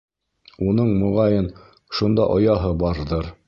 Уның, моғайын, шунда ояһы барҙыр.